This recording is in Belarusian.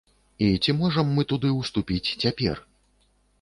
І ці можам мы туды ўступіць цяпер?